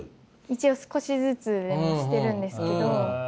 一応少しずつしてるんですけど。